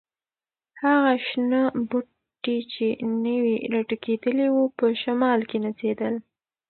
هغه شنه بوټي چې نوي راټوکېدلي وو، په شمال کې نڅېدل.